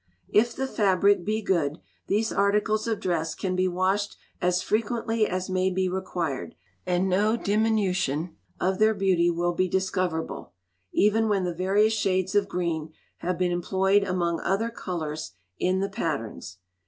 If the fabric be good, these articles of dress can be washed as frequently as may be required, and no diminution of their beauty will be discoverable, even when the various shades of green have been employed among other colours in the patterns.